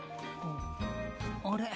あれ？